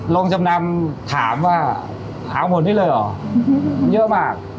ลงจำนำถามว่าหาผลได้เลยเหรอเยอะมาก